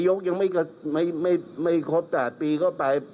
มองกันว่าเป็น๒ปีปุ๊บ